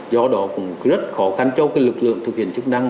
do đó cũng rất khó khăn cho lực lượng thực hiện chức năng